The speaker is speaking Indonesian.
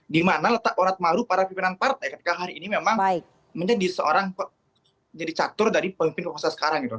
dimana letak urat maruf para pimpinan partai ketika hari ini memang menjadi seorang jadi catur dari pemimpin kekuasaan sekarang gitu